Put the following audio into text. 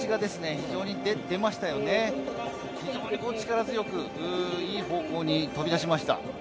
非常に力強くいい方向に飛び出しました。